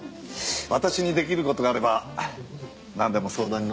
私に出来る事があればなんでも相談にのるよ。